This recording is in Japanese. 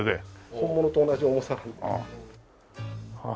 本物と同じ重さで。